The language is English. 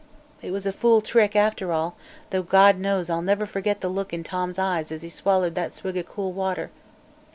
It was a fool trick, after all, 'though God knows I'll never forget the look in Tom's eyes as he swallered that swig o' cool water.